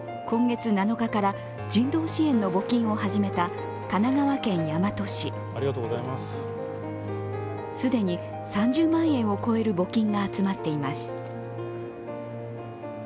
今月７日から人道支援の募金を始めた神奈川県大和市既に３０万円を超える募金が集まっています。